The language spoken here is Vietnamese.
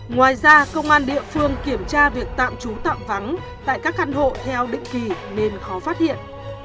ngoài ra công an địa phương kiểm tra việc tạm trú tạm vắng tại các căn hộ theo định kỳ nên khó phát hiện